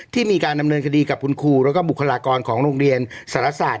ที่มีการดำเนินคดีกับคุณครูแล้วก็บุคลากรของโรงเรียนสารศาสต